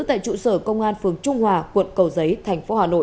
tại trụ sở công an phường trung hòa quận cầu giấy tp hà nội